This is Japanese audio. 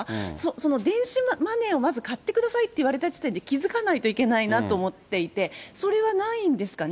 その電子マネーをまず買ってくださいって言われた時点で、気付かないといけないなと思っていて、それはないんですかね？